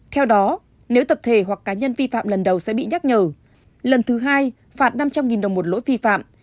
theo đó nếu tập thể hoặc cá nhân vi phạm lần đầu sẽ bị nhắc nhở lần thứ hai phạt năm trăm linh đồng một lỗi vi phạm